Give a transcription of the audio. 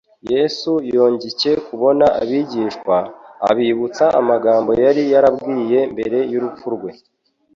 Yesu yongcye kubona abigishwa, abibutsa amagambo yari yarababwiye mbere y'urupfu rwe :